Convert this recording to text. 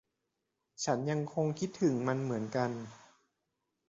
ฉันยังคงคิดถึงมันเหมือนกัน